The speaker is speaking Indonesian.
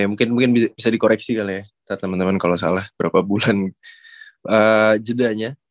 mungkin mungkin bisa dikoreksi kali ya teman teman kalau salah berapa bulan jedanya